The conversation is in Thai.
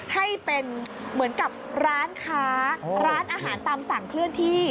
ให้เป็นเหมือนกับร้านค้าร้านอาหารตามสั่งเคลื่อนที่